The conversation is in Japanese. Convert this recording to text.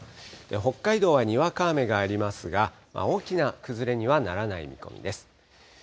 北海道はにわか雨がありますが、大きな崩れにはならない見込みです。